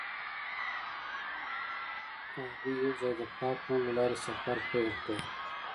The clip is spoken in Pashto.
هغوی یوځای د پاک لمر له لارې سفر پیل کړ.